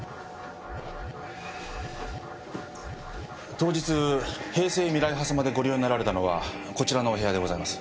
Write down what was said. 当日平成未来派様でご利用になられたのはこちらのお部屋でございます。